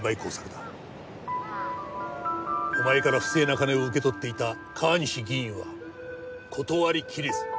お前から不正な金を受け取っていた川西議員は断り切れず。